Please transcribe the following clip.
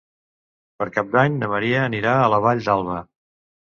Per Cap d'Any na Maria anirà a la Vall d'Alba.